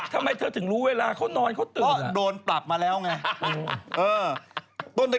ทำไมเธอถึงรู้เวลาเขานอนเขาตื่นละ